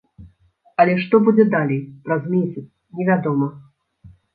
Але што будзе далей, праз месяц, невядома.